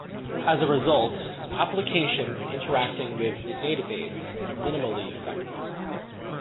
As a result, applications interacting with the database are minimally affected.